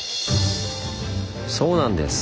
そうなんです。